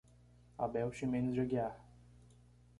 Abel Ximenes de Aguiar